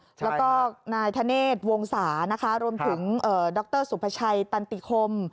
แล้วก็ทะเนธวงศารวมถึงดรสุพชัยตันติคม